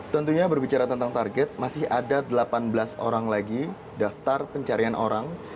tentunya berbicara tentang target masih ada delapan belas orang lagi daftar pencarian orang